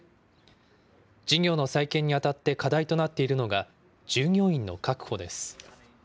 事業の再建にあたって課題となっているのが、従業員の確保です。